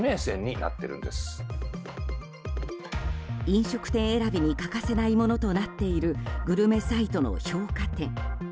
飲食店選びに欠かせないものとなっているグルメサイトの評価点。